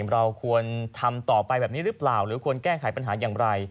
เราควรทำต่อไปแบบนี้หรือเปล่าหรือควรแก้ไขปัญหาอย่างไร